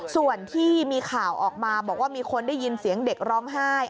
ส่วนที่มีข่าวออกมาบอกว่ามีคนได้ยินเสียงเด็กร้องไห้